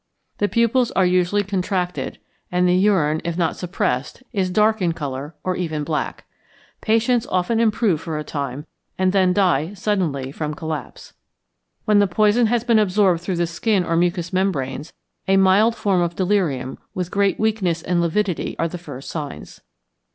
The pupils are usually contracted, and the urine, if not suppressed, is dark in colour, or even black. Patients often improve for a time, and then die suddenly from collapse. When the poison has been absorbed through the skin or mucous membranes, a mild form of delirium, with great weakness and lividity, are the first signs.